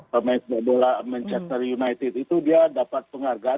pemain sepak bola manchester united itu dia dapat penghargaan